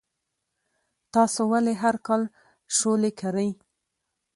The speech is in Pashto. تاسو ولې هر کال شولې کرئ؟